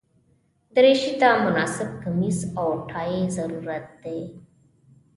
دریشي ته مناسب کمیس او ټای ضروري دي.